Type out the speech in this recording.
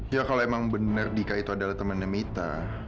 ya kalau emang benar dika itu adalah temannya mita